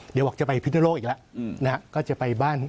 เดี๋ยวบอกจะไปพินโลกอีกแล้วก็จะไปบ้าน